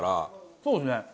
そうですね。